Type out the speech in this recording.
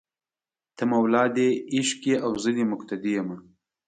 ته مولا دې عشق یې او زه دې مقتدي یمه